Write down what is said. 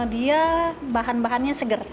dia bahan bahannya segar